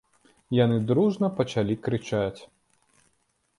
Яны дружна пачалі крычаць.